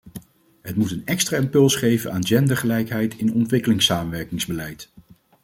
Het moet een extra impuls geven aan gendergelijkheid in ontwikkelingssamenwerkingsbeleid.